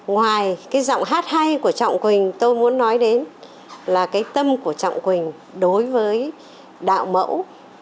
ngoài cái giọng hát hay của trọng quỳnh tôi muốn nói đến là cái tâm của trọng quỳnh đối với đạo mẫu